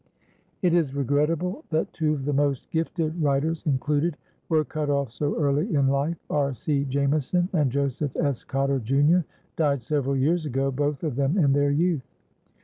It is regrettable that two of the most gifted writers included were cut off so early in life. R. C. Jamison and Joseph S. Cotter, Jr., died several years ago, both of them in their youth.